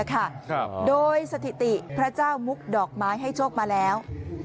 โดยสถิติพระเจ้ามุกดอกไม้ให้โชคมาแล้ว